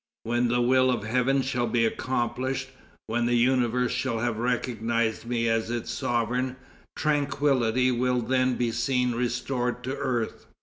When the will of Heaven shall be accomplished when the universe shall have recognized me as its sovereign, tranquillity will then be seen restored to earth.